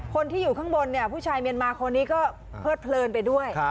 คนที่อยู่ข้างบนเนี่ยผู้ชายเมียนมาคนนี้ก็เพิดเพลินไปด้วย